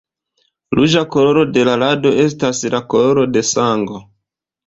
Ruĝa koloro de la rado estas la koloro de sango.